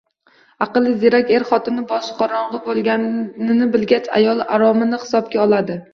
Aqlli, ziyrak er xotini boshqorong‘i bo‘lganini bilgach, ayoli oromini hisobga oladi.